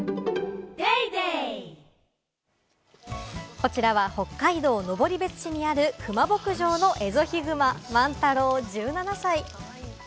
こちらは北海道登別市にあるクマ牧場のエゾヒグマ、マンタロウ１７歳。